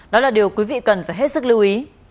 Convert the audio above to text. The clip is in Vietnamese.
đó là điều quý vị cần phải hết sức lưu ý